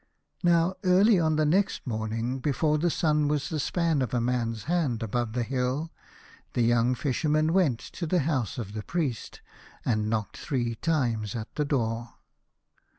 Now early on the next morning, before the sun was the span of a man's hand above the hill, the young Fisherman went to the house of the Priest and knocked three times at the door.